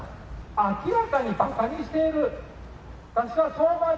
明らかにばかにしている。